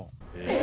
え？